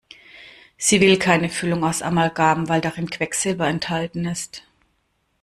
Sie will keine Füllung aus Amalgam, weil darin Quecksilber enthalten ist.